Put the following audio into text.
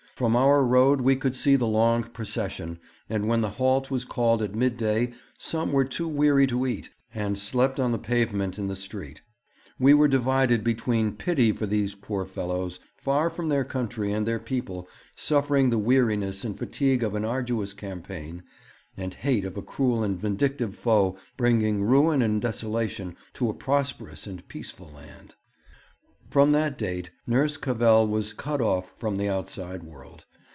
From our road we could see the long procession, and when the halt was called at midday some were too weary to eat, and slept on the pavement in the street. We were divided between pity for these poor fellows, far from their country and their people, suffering the weariness and fatigue of an arduous campaign, and hate of a cruel and vindictive foe bringing ruin and desolation to a prosperous and peaceful land.' From that date Nurse Cavell was cut off from the outside world.